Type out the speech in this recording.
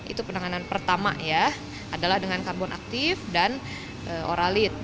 itu penanganan pertama adalah dengan karbon aktif dan oralin